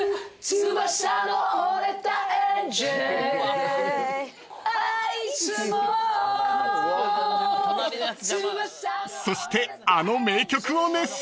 ［そしてあの名曲を熱唱］